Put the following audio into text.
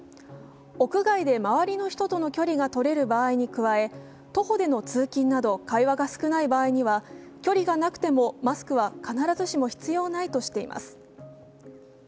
屋外で周りの人との距離がとれる場合に加え徒歩での通勤など会話が少ない場合には距離がなくてもマスクは必ずしも必要ないとしています。